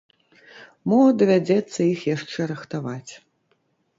Мо давядзецца іх яшчэ рыхтаваць.